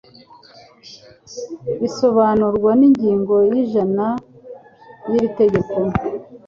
bisobanurwa n ingingo y'ijana y iri tegeko